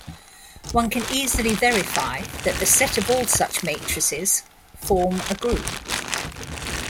One can easily verify that the set of all such matrices forms a group.